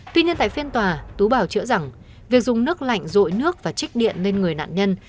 tuy nhiên tại phiên tòa tú bảo chữa rằng việc dùng nước lạnh rội nước và trích điện lên người nạn nhân